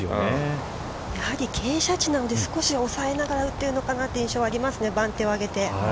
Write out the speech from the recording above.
◆やはり傾斜地なので少し抑えながら打っているのかなという印象はありますね、番手を上げて。